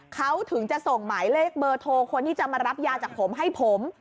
เขาถึงจะส่งหมายเลขเบอร์โทรคนที่จะมารับยาจากผมให้ผม